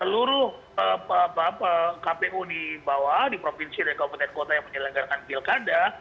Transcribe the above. seluruh kpu dibawa di provinsi dan kompeten kota yang menyelenggarkan pilkada